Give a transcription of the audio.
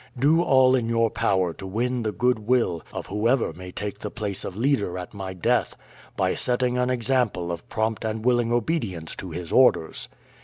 Do all in your power to win the good will of whoever may take the place of leader at my death by setting an example of prompt and willing obedience to his orders.